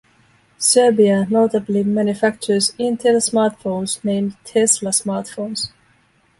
Serbia notably manufactures intel smartphones named Tesla smartphones.